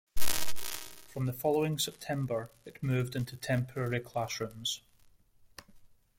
From the following September, it moved into temporary class rooms.